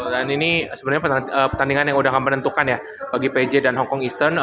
dan ini sebenarnya pertandingan yang udah akan menentukan ya bagi pg dan hong kong eastern